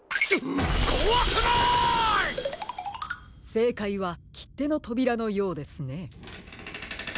せいかいはきってのとびらのようですね。